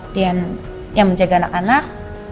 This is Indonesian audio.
dan yang menjaga anak anak